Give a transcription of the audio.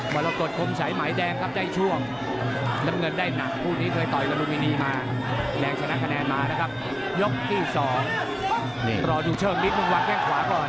วันต้องตดคมสายไหมแดงครับได้ช่วง